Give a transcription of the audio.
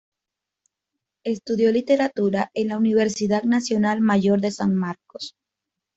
Estudió Literatura en la Universidad Nacional Mayor de San Marcos.